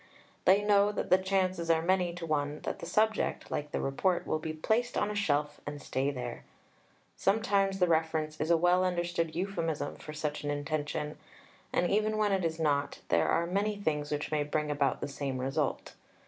They know that the chances are many to one that the subject, like the Report, will be placed on a shelf and stay there. Sometimes the reference is a well understood euphemism for such an intention; and even when it is not, there are many things which may bring about the same result.